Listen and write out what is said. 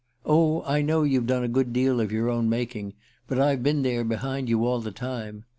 Oh, I know you've done a good deal of your own making but I've been there behind you all the time.